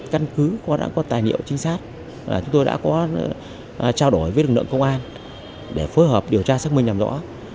căn cứ qua đã có tài liệu trinh sát chúng tôi đã có trao đổi với lực lượng công an để phối hợp điều tra xác minh làm rõ